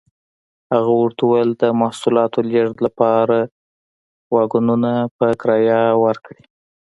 هغه ورته وویل د محصولاتو لېږد لپاره واګونونه په کرایه ورکړي.